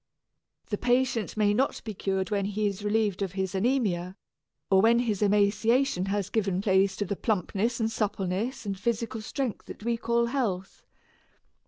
The patient may not be cured when he is relieved of his anæmia, or when his emaciation has given place to the plumpness and suppleness and physical strength that we call health.